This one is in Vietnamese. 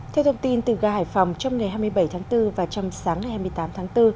theo thông tin từ gà hải phòng trong ngày hai mươi bảy tháng bốn và trong sáng ngày hai mươi tám tháng bốn